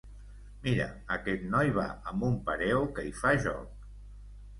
Mira, aquest noi va amb un pareo que hi fa joc.